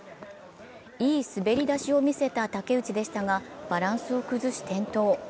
いい滑り出しを見せた竹内でしたが、バランスを崩し転倒。